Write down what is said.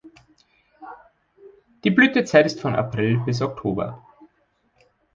Die Blütezeit ist von April bis Oktober.